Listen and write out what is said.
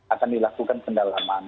akan dilakukan kendalaman